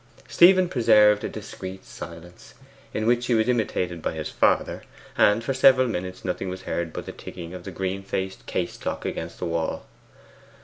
Stephen preserved a discreet silence, in which he was imitated by his father, and for several minutes nothing was heard but the ticking of the green faced case clock against the wall.